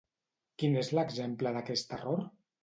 Quin és l'exemple d'aquest error?